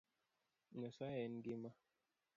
Nyasaye engima